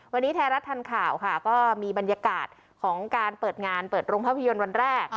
วันนี้ไทยรัฐทันข่าวค่ะก็มีบรรยากาศของการเปิดงานเปิดโรงภาพยนตร์วันแรก